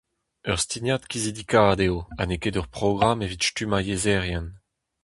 Ur stignad kizidikaat eo ha n'eo ket ur programm evit stummañ yezherien.